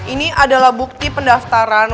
ini adalah bukti pendaftaran